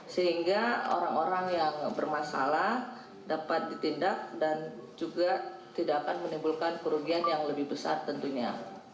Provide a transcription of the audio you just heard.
sehingga orang orang yang bermasalah dapat ditindak dan juga tidak akan menimbulkan kerugian yang lebih besar tentunya